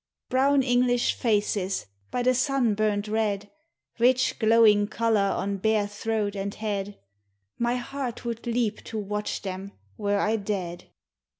Brown English faces by the sun burnt red, Bich glowing color on bare throat and head, My heart would leap to watch them, were I dead!